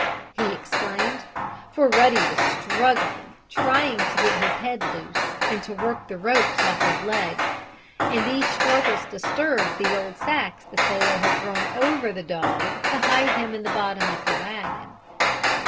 he exclaimed, for Ruddy was struggling, trying to get his head loose and to work the ropes off his legs, and these struggles disturbed the old sacks the sailor had thrown over the dog to hide him in the bottom of the wagon.